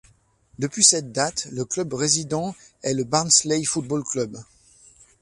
Depuis cette date le club résident est le Barnsley Football Club.